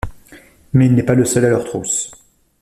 Mais il n'est pas le seul à leurs trousses.